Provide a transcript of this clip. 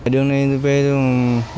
đường này về thôi